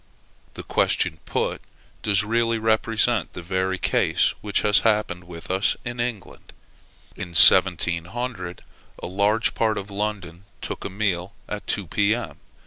The question put does really represent the very case which has happened with us in England. In 1700, a large part of London took a meal at two, P.M.